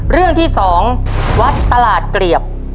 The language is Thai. เรื่องที่๒วัดตลาดเกลียบ